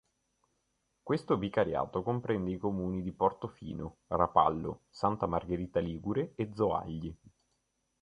Questo vicariato comprende i comuni di Portofino, Rapallo, Santa Margherita Ligure e Zoagli.